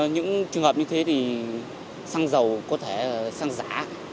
những trường hợp như thế thì xăng dầu có thể xăng giả